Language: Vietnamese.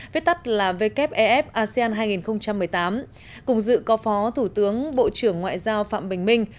viết tắt là wef asean hai nghìn một mươi tám cùng dự có phó thủ tướng bộ trưởng ngoại giao phạm bình minh